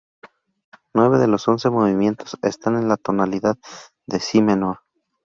Nueve de los once movimientos están en la tonalidad de si menor.